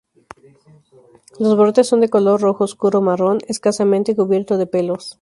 Los brotes son de color rojo oscuro marrón, escasamente cubierto de pelos.